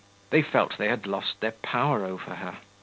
They felt they had lost their power over her.